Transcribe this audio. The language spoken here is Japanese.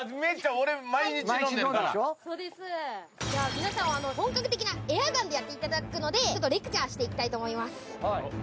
皆さん本格的なエアガンでやっていただくのでレクチャーしていきたいと思います。